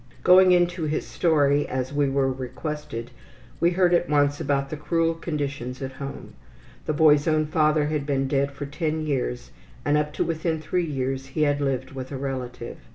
Going into his story, as we were requested, we heard at once about the cruel conditions at home. The boy's own father had been dead for ten years and up to within three years he had lived with a relative.